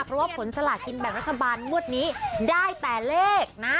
เพราะว่าผลสลากินแบ่งรัฐบาลงวดนี้ได้แต่เลขนะ